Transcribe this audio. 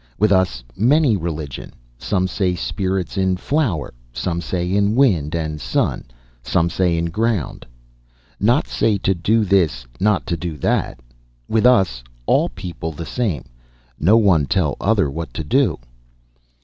With us many religion, some say spirits in flower, some say in wind and sun, some say in ground. Not say to do this, not to do that. With us all people the same, no one tell other what to do."